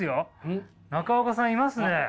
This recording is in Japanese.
中岡さんいますね。